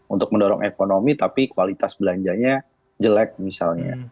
untuk mendorong ekonomi tapi kualitas belanjanya jelek misalnya